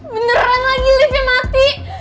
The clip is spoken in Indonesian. beneran lagi liftnya mati